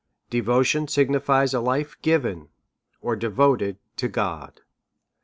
Devotion signifies a life given or devoted to God.